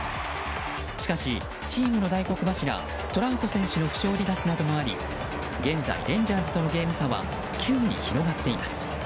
しかし、チームの大黒柱トラウト選手の負傷離脱などもあり現在、レンジャーズとのゲーム差は９に広がっています。